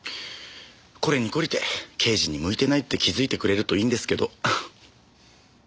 これに懲りて刑事に向いてないって気づいてくれるといいんですけど。